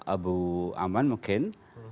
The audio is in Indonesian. abu aman mungkin